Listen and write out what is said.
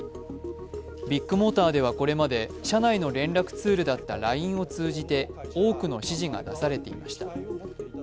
ビッグモーターではこれまで社内の連絡ツールだったＬＩＮＥを通じて多くの指示が出されていました。